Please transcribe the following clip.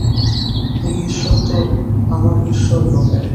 দিল্লীশ্বর তো আমার ঈশ্বর নহেন।